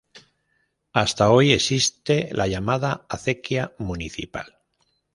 Hasta hoy existe la llamada Acequia Municipal.